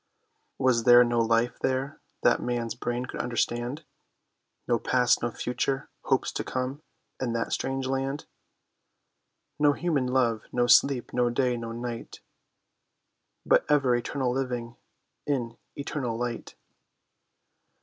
Was there no life there that man's brain could understand? No past, no future, hopes to come, in that strange land? No human love, no sleep, no day, no night, But ever eternal living in eternal light?